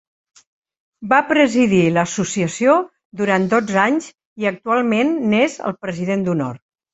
Va presidir l'associació durant dotze anys i actualment n'és el president d'honor.